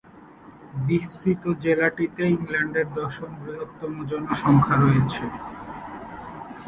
বিস্তৃত জেলাটিতে ইংল্যান্ডের দশম বৃহত্তম জনসংখ্যা রয়েছে।